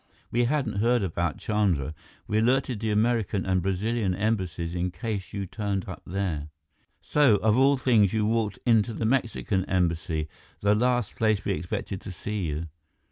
We hadn't heard about Chandra. We alerted the American and Brazilian Embassies in case you turned up there. So, of all things, you walked into the Mexican Embassy, the last place we expected to see you.